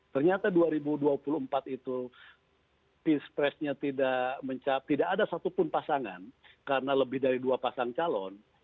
ternyata dua ribu dua puluh empat itu pilpresnya tidak mencapai tidak ada satupun pasangan karena lebih dari dua pasang calon